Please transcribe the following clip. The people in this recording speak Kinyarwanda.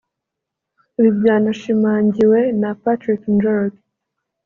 Ibi byanashimangiwe na Patrick Njoroge